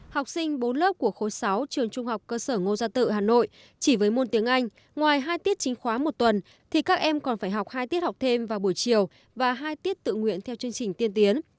học sinh bốn lớp của khối sáu trường trung học cơ sở ngô gia tự hà nội chỉ với môn tiếng anh ngoài hai tiết chính khóa một tuần thì các em còn phải học hai tiết học thêm vào buổi chiều và hai tiết tự nguyện theo chương trình tiên tiến